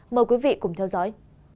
mời quý vị cùng theo dõi